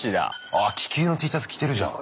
あっ気球のＴシャツ着てるじゃん。